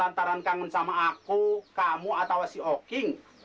antara kangen sama aku kamu atau si oking